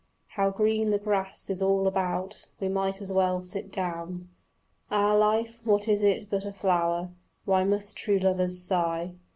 How green the grass is all about! We might as well sit down. Ah, life, what is it but a flower? Why must true lovers sigh?